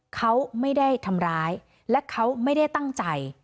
เขาไม่ได้ทำร้ายและเขาไม่ได้ตั้งใจ